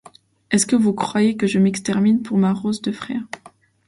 Est-ce que vous croyez que je m’extermine pour ma rosse de frère?